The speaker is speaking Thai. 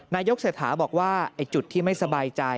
นายกเสถาบอกว่าจุดที่ไม่สบายใจ